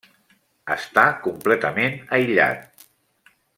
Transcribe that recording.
Està completament aïllat.